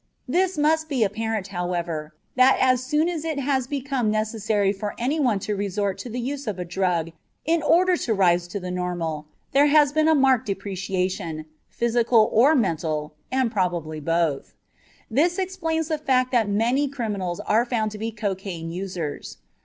It must be apparent, however, that as soon as it has become necessary for any one to resort to the use of a drug in order to rise to the normal there has been a marked depreciation, physical or mental, and probably both. This explains the fact that many criminals are found to be cocaine users.